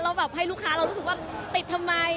แบบให้ลูกค้าเรารู้สึกว่าติดทำไม